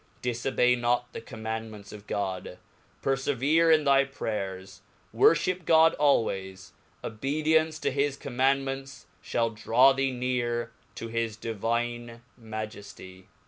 Difobey not the commandments of God, perfevere in thy prayers, worfliip God alwayes; obe dience to his commandments (hall draw thee near to his di vine Majefty.